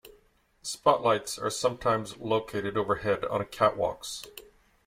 Spotlights are sometimes located overhead on catwalks.